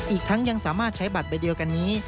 อีกทั้งยังสามารถใช้บัตรใบเดียวกันนี้